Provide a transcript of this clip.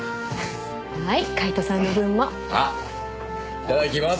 いただきます。